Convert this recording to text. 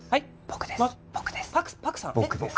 僕です